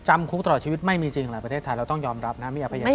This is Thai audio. จำคุกตลอดชีวิตไม่มีจริงหลายประเทศไทยเราต้องยอมรับนะไม่เอาพยาน